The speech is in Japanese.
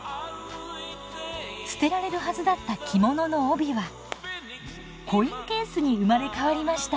捨てられるはずだった着物の帯はコインケースに生まれ変わりました。